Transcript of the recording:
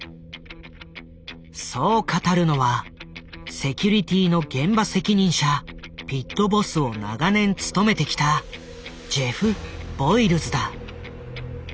そう語るのはセキュリティの現場責任者ピットボスを長年務めてきたジェフ・ボイルズだ。